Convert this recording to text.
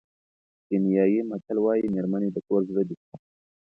کینیايي متل وایي مېرمنې د کور زړه دي.